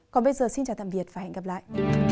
còn bây giờ xin chào tạm biệt và hẹn gặp lại